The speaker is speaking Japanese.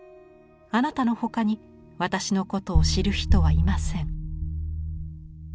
あなたの他に私のことを知る人はいません」。